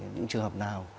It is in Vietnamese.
những trường hợp nào